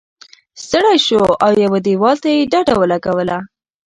ستړی شو او یوه دیوال ته یې ډډه ولګوله.